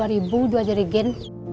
rp dua dua jari gin